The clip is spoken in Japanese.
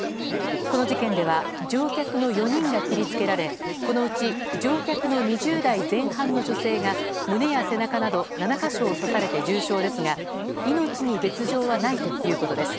この事件では乗客の４人が切りつけられこのうち乗客の２０代前半の女性が胸や背中など７か所を刺されて重傷ですが命に別条はないということです。